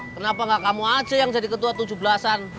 kenapa gak kamu aja yang jadi ketua tujuh belas an